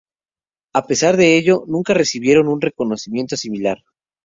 A pesar de ello nunca recibieron un reconocimiento similar.